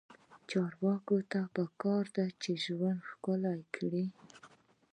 چارواکو ته پکار ده چې، ژوند ښکلی کړي.